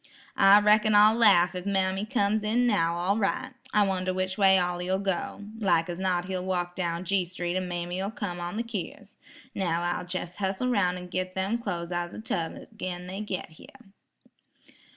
"I reckon I'll laugh if mammy comes in now all right. I wonder which way Ollie 'll go? Like as not he'll walk down G street an' mammy'll come on the keers. Now, I'll jes' hussle roun' an' git them clo's out o' the tub agin' they git here."